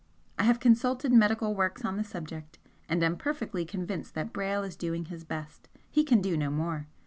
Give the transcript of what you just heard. I have consulted medical works on the subject and am perfectly convinced that Brayle is doing his best. He can do no more.